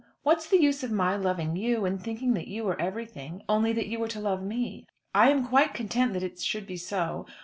What's the use of my loving you, and thinking that you are everything, only that you are to love me? I am quite content that it should be so.